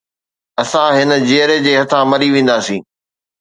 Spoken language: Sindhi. اسان هن جيئري جي هٿان مري وينداسين